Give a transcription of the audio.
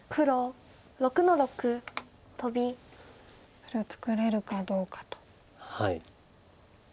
それを作れるかどうかと。